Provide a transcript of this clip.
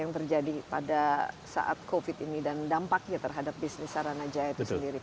yang terjadi pada saat covid ini dan dampaknya terhadap bisnis saranajaya itu sendiri